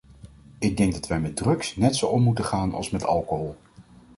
Ik denk dat wij met drugs net zo om moeten gaan als met alcohol.